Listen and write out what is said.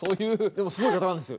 でもすごい方なんです。